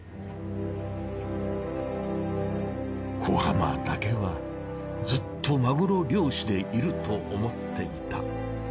小浜だけはずっとマグロ漁師でいると思っていた。